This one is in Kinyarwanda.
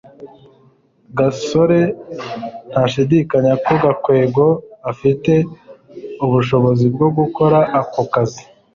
gasore ntashidikanya ko gakwego afite ubushobozi bwo gukora ako kazi